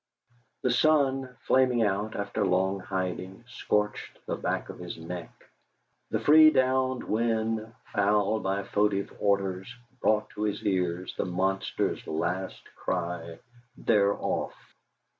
The sun, flaming out after long hiding, scorched the back of his neck; the free down wind, fouled by foetid odours, brought to his ears the monster's last cry, "They're off!"